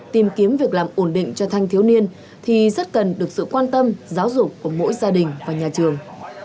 tìm kiếm việc làm ổn định cho thanh thiếu niên thì rất cần được sự quan tâm giáo dục của mỗi gia đình và nhà trường